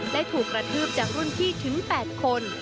ได้ถูกกระทืบจากรุ่นพี่ถึง๘คน